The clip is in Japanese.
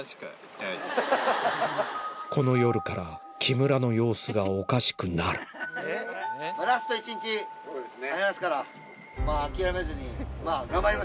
この夜から木村の様子がおかしくなる目がね。